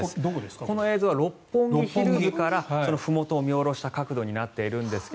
この映像は六本木ヒルズからふもとを見下ろした角度ですが。